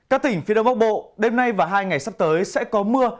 các tỉnh phía đông bắc bộ đêm nay và hai ngày sắp tới sẽ có mưa